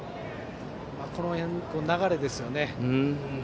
この辺の流れですね。